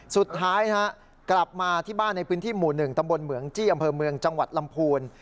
สุดท้ายกลับมาที่บ้านในพื้นที่หมู่๑ตำบลเหมืองจี้อำเภอเมืองจังหวัดลำพูน